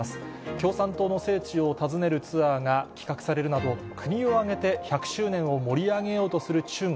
共産党の聖地を訪ねるツアーが企画されるなど、国を挙げて１００周年を盛り上げようとする中国。